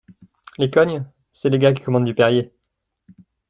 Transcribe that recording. Les cognes ? C’est les gars qui commandent du Perrier !